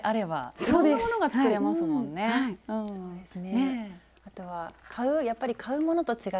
そうですね。